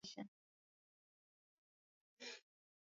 bado wako katika harakati za kuwatafuta manusura